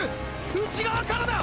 内側からだ！